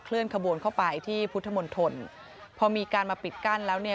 ขบวนเข้าไปที่พุทธมนตรพอมีการมาปิดกั้นแล้วเนี่ย